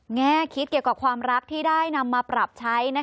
แง่คิดเกี่ยวกับความรักที่ได้นำมาปรับใช้